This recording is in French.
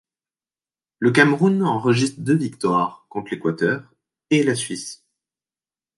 Le Cameroun enregistre deux victoires, contre l'Équateur, et la Suisse.